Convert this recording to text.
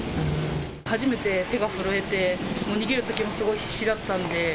初めて手が震えて、もう逃げるときもすごい必死だったんで。